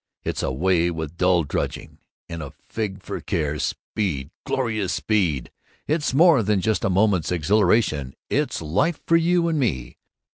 It's away with dull drudging, and a fig for care. Speed glorious Speed it's more than just a moment's exhilaration it's Life for you and me!